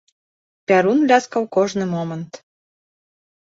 Пярун ляскаў кожны момант.